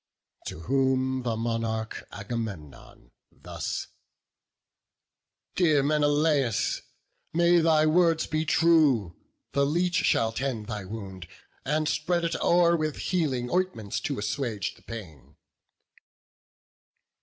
To whom the monarch Agamemnon thus: "Dear Menelaus, may thy words be true! The leech shall tend thy wound, and spread it o'er With healing ointments to assuage the pain."